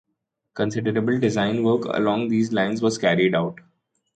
Considerable design work along these lines was carried out.